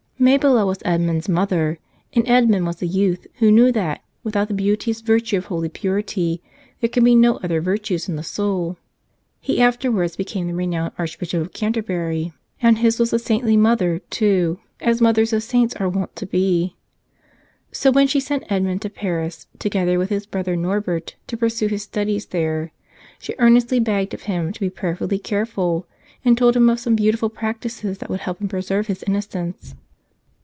Mabila was Edmund's mother; and Edmund was a youth who knew that without the beauteous virtue of holy purity there can be no other virtues in the soul. He afterwards became the renowned Archbishop of Canterbury. And his was a saintly mother, too, as mothers of saints are wont to be. So when she sent Edmund to Paris, together with his brother Norbert, to pursue his studies there, she earnestly begged of him to be prayerfully careful and told him of some beautiful practices that would help him preserve his innocence.